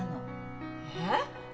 えっ？